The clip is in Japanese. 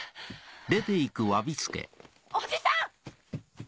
おじさん！